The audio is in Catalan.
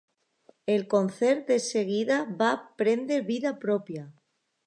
El concert de seguida va prendre vida pròpia.